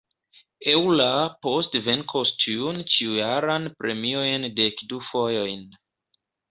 Euler poste venkos tiun ĉiujaran premion dekdu fojojn.